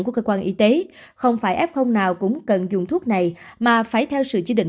của cơ quan y tế không phải f nào cũng cần dùng thuốc này mà phải theo sự chỉ định